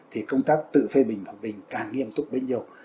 thì công tác tự phê bình và bình càng nghiêm túc bấy nhiêu